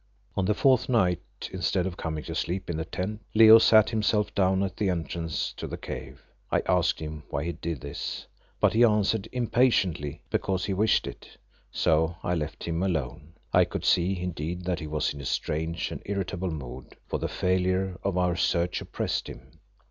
On the fourth night, instead of coming to sleep in the tent Leo sat himself down at the entrance to the cave. I asked him why he did this, but he answered impatiently, because he wished it, so I left him alone. I could see, indeed, that he was in a strange and irritable mood, for the failure of our search oppressed him.